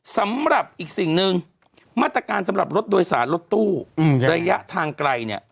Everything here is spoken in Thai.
สำหรับอีกสิ่งหนึ่งมาตรการสำหรับรถโดยสารรถตู้ระยะทางไกลเนี่ย